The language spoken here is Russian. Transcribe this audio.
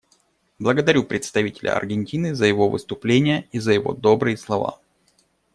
Благодарю представителя Аргентины за его выступление и за его добрые слова.